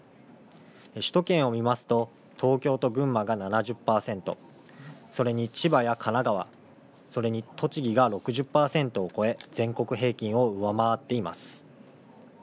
首都圏を見ますと東京と群馬が７０％、それに千葉や神奈川、それに栃木が６０％を超え全国平均を上回っています。